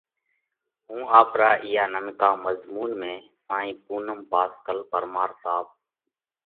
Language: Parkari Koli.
هُون آپرا اِيئا ننڪا مضمُونَ ۾ سائين پُونم پاسڪل پرمار صاحب